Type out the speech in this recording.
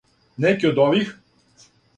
Неки од ових?